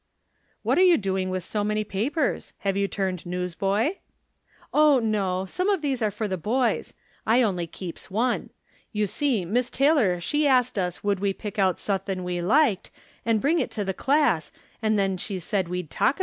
" What are you doing with so many papers ? Have you turned newsboy ?" 156 From Different Standpoints. " Oil, no — some of these are for the boys. I only keeps one. You see Miss Taylor she asked us would we pick out suthin' we liked, and bring it to the class, and then she said we'd talk